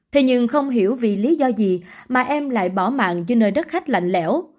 thế nhưng không hiểu vì lý do gì mà em lại bỏ mạng dưới nơi đất khách lạnh lẽo